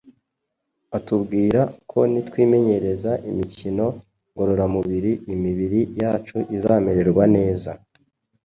Atubwira ko nitwimenyereza imikino ngororamubiri imibiri yacu izamererwa neza.